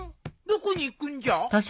どこに行くんじゃ？